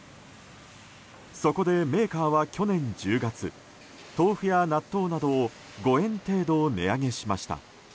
そこでメーカーは去年１０月豆腐や納豆などを５円程度値上げしました。